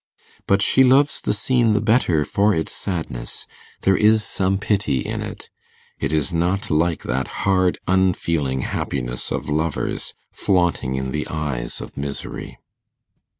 But she loves the scene the better for its sadness: there is some pity in it. It is not like that hard unfeeling happiness of lovers, flaunting in the eyes of misery.